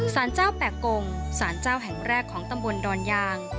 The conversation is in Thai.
สารเจ้าแปะกงสารเจ้าแห่งแรกของตำบลดอนยาง